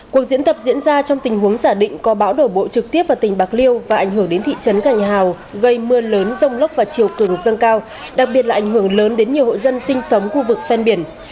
cuộc diễn tập diễn ra trong tình huống giả định có bão đổ bộ trực tiếp vào tỉnh bạc liêu và ảnh hưởng đến thị trấn gành hào gây mưa lớn rông lốc và chiều cường dâng cao đặc biệt là ảnh hưởng lớn đến nhiều hộ dân sinh sống khu vực phen biển